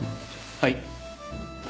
はい。